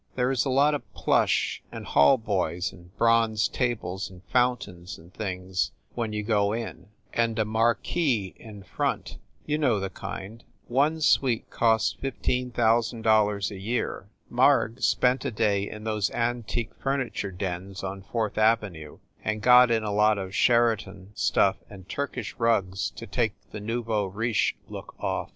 There is a lot of plush and hall boys and bronze tables and fountains and things when you go in, and a mar quise in front. You know the kind. Our suite cost $15,000 a year. Marg spent a day in those antique furniture dens on Fourth Avenue, and got in a lot of Sheraton stuff and Turkish rugs to take the nouveau riche look off.